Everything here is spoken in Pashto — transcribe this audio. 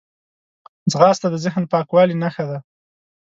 ځغاسته د ذهن پاکوالي نښه ده